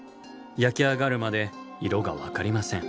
焼き上がるまで色が分かりません。